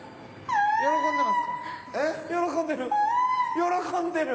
喜んでる！